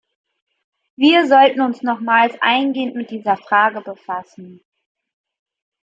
Wir sollten uns nochmals eingehend mit dieser Frage befassen.